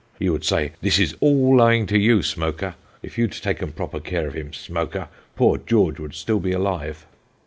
He would say, 'This is all owing to you, Smoaker. If you'd taken proper care of him, Smoaker, poor George would still be alive.'"